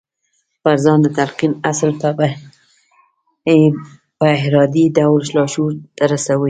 پر ځان د تلقين اصل يې په ارادي ډول لاشعور ته رسوي.